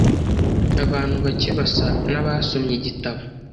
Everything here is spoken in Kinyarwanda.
Abantu bake basa nabasomye igitabo .